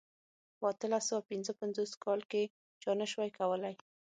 په اتلس سوه پنځه پنځوس کال کې چا نه شوای کولای.